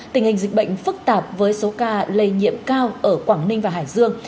tình hình dịch bệnh phức tạp với số ca lây nhiễm cao ở quảng ninh và hải dương